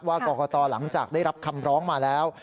กรกตหลังจากได้รับคำร้องมาแล้ว